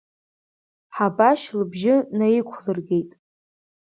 Ҳабашь лыбжьы наиқәлыргеит.